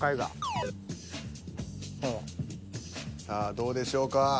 さあどうでしょうか？